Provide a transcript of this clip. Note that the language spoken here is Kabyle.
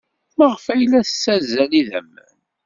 Maɣef ay la tessazzal idammen?